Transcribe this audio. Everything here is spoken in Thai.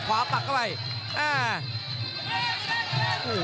กำปั้นขวาสายวัดระยะไปเรื่อย